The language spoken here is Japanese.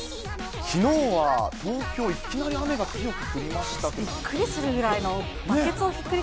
きのうは東京、いきなり雨が強く降りましたけど。